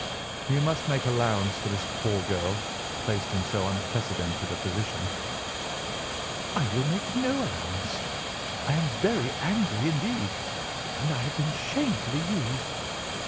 "You must make allowance for this poor girl, placed in so unprecedented a position." "I will make no allowance. I am very angry indeed, and I have been shamefully used."